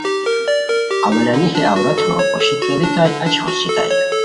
اولانی ہے عورت ہورو پوشی کیڑیتائے اچی ہوسیتائے